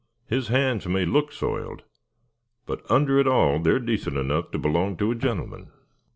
His hands may look soiled, but under it all they're decent enough to belong to a gentleman."